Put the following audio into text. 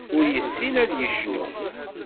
Ur yessin ad yecnu.